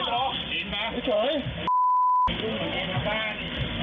ก็ใกล้หรอน่าสว่าง